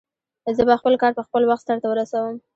زه به خپل کار په خپل وخت سرته ورسوم